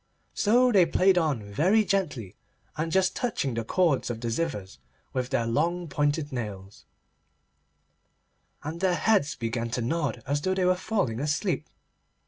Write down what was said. So they played on very gently and just touching the cords of the zithers with their long pointed nails, and their heads began to nod as though they were falling asleep.